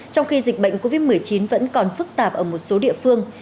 trong khi dịch bệnh covid một mươi chín vẫn còn phức tạp ở một số địa phương